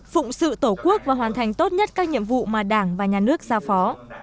phụng sự tổ quốc và hoàn thành tốt nhất các nhiệm vụ mà đảng và nhà nước giao phó